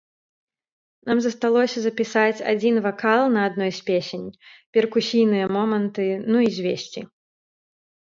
Нам засталося запісаць адзін вакал на адной з песень, перкусійныя моманты, ну і звесці.